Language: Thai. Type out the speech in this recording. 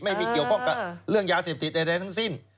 ไม่มีเกี่ยวข้องกับเรื่องยาเสพติดใดทั้งสิ้น